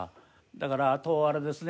だからあとあれですね